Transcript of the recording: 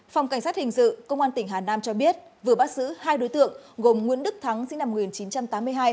phòng cảnh sát hình sự công an tỉnh hà nam cho biết vừa bắt giữ hai đối tượng gồm nguyễn đức thắng sinh năm một nghìn chín trăm tám mươi hai